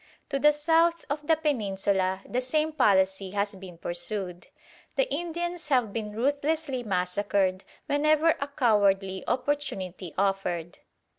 To the south of the Peninsula the same policy has been pursued. The Indians have been ruthlessly massacred, whenever a cowardly opportunity offered.